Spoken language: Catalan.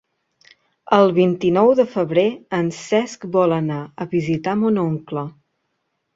El vint-i-nou de febrer en Cesc vol anar a visitar mon oncle.